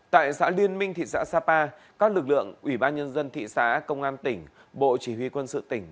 tại xã liên minh thị xã sapa các lực lượng ủy ban nhân dân thị xã công an tỉnh bộ chỉ huy quân sự tỉnh